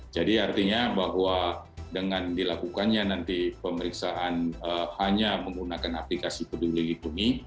jadi artinya bahwa dengan dilakukannya nanti pemeriksaan hanya menggunakan aplikasi peduli litumi